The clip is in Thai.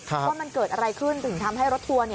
ว่ามันเกิดอะไรขึ้นถึงทำให้รถทัวร์